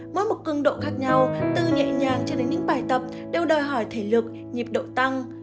mỗi một cường độ khác nhau từ nhẹ nhàng cho đến những bài tập đều đòi hỏi thể lực nhịp độ tăng